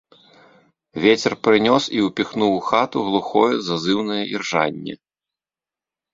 Вецер прынёс і ўпіхнуў у хату глухое зазыўнае іржанне.